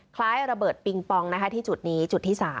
คล้ายระเบิดปิงปองนะคะที่จุดนี้จุดที่๓